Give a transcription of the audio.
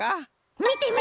みてみて！